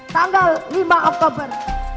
tanggal lima oktober dua ribu dua puluh dua